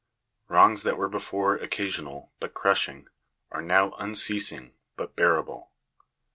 Wrongs that were before occasional, but crushing, are now unceasing, but bearable.